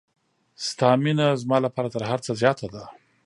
ستا مینه زما لپاره تر هر څه زیاته ده.